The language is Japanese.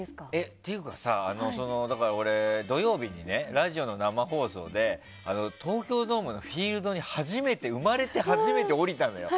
っていうかさ、俺、土曜日にラジオの生放送で東京ドームのフィールドに生まれて初めて降りたのよ。